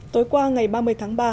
tối qua ngày ba mươi tháng ba